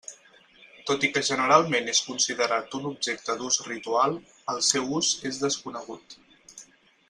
Tot i que generalment és considerat un objecte d'ús ritual, el seu ús és desconegut.